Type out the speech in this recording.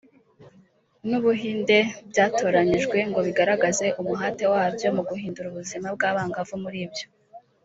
n’u Buhinde byatoranyijwe ngo bigaragaze umuhate wabyo mu guhindura ubuzima bw’abangavu muri byo